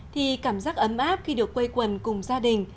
thì cảm giác ấm áp khi được quây quần cùng gia đình